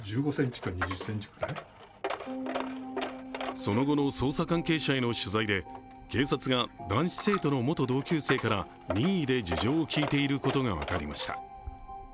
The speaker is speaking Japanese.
その後の捜査関係者への取材で男子生徒の元同級生から任意で事情を聴いていることが分かりました。